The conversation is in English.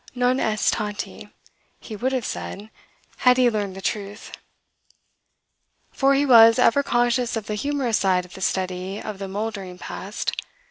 "Non est tanti," he would have said, had he learned the truth; for he was ever conscious of the humorous side of the study of the mouldering past.